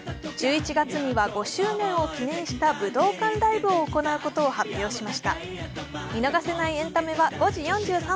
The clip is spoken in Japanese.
１１月には５周年を記念した武道館ライブを行うことを発表しました。